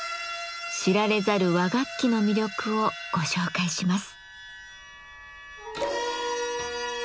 知られざる和楽器の魅力をご紹介します。